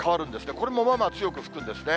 これもまあまあ強く吹くんですね。